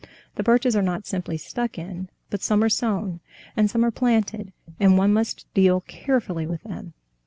The birches are not simply stuck in, but some are sown and some are planted, and one must deal carefully with them.